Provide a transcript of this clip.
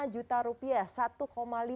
satu lima juta rupiah